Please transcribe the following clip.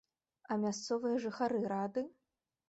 А мясцовыя жыхары рады?